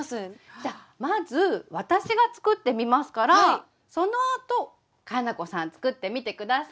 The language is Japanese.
じゃあまず私が作ってみますからそのあと佳菜子さん作ってみて下さい。